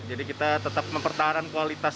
jadi kita tetap mempertahankan kualitas